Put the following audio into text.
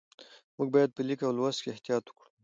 موږ باید په لیک او لوست کې احتیاط وکړو